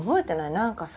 何かさ